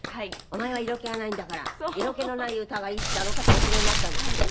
お前は色気がないんだから色気のない歌がいいってあの方お決めになったんですって？